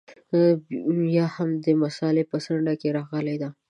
یا هم د مسألې په څنډه کې راغلې ده.